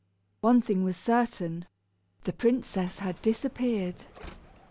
One thing was certain, the princess had disappeared.